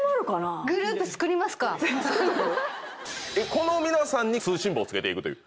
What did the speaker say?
この皆さんに通信簿を付けていくという？